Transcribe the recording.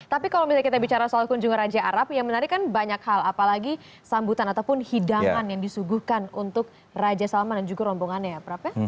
tapi kalau misalnya kita bicara soal kunjungan raja arab yang menarik kan banyak hal apalagi sambutan ataupun hidangan yang disuguhkan untuk raja salman dan juga rombongannya ya prab